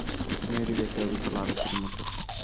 মেয়েটি দেখতে অবিকল আরতির মতো।